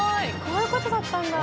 こういうことだったんだ。